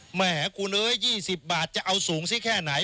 แหมคุณเอ้ย๒๐บาทจะเอาสูงสิแค่ไหน